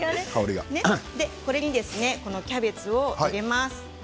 これにキャベツを入れます。